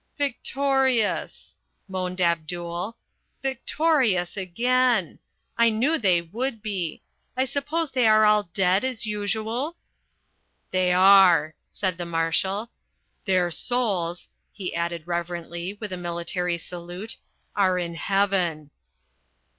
"Victorious!" moaned Abdul. "Victorious again! I knew they would be! I suppose they are all dead as usual?" "They are," said the Marshal. "Their souls," he added reverently, with a military salute, "are in Heaven!"